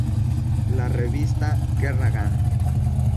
La revista "Kerrang!